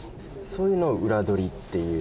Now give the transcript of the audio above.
そういうのを裏取りっていうんですか？